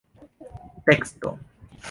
teksto